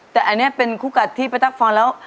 แต่อันนี้เป็นคู่กัดที่พี่ตั๊กฟังแล้ว